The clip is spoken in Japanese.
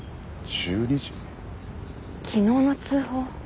昨日の通報。